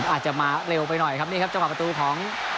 อาจจะมาเร็วไปหน่อยครับนี่ครับจังหวะประตูของ